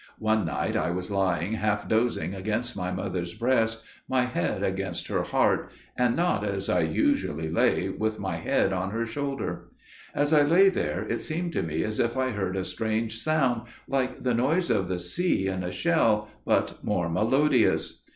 One night I was lying half dozing against my mother's breast, my head against her heart, and not, as I usually lay, with my head on her shoulder. As I lay there it seemed to me as if I heard a strange sound like the noise of the sea in a shell, but more melodious.